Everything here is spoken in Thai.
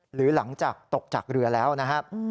หรือหลังจากตกจากเรือแล้วนะครับ